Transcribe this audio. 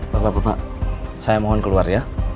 bapak bapak saya mohon keluar ya